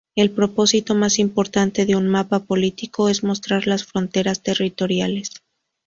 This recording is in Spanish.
El propósito más importante de un mapa político es mostrar las fronteras territoriales.